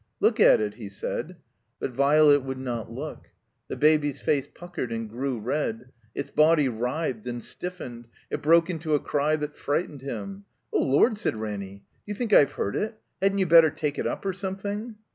"Look at it," he said. But Violet wotdd not look. The Baby's face puckered and grew red. Its body writhed and stiffened. It broke into a cry that frightened him. "Oh, Lord!" said Ranny, "do you think I've hurt it? Hadn't you better take it up or something?"